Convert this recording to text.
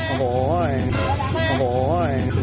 โอ้โฮเห้ยโอ้โฮเห้ย